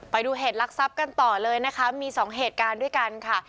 ไปดูเหตุลักษัพกันต่อเลยนะคะมีสองเหตุการณ์ด้วยกันค่ะ